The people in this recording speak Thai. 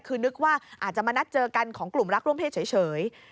คือนึกว่าอาจจะมานัดเจอกันของกลุ่มรักร่วมเพศเฉย